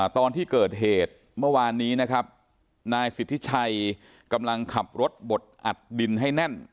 ตอนที่เกิดเหตุเมื่อวานนี้นะครับนายสิทธิชัยกำลังขับรถบดอัดดินให้แน่น